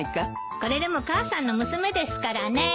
これでも母さんの娘ですからね。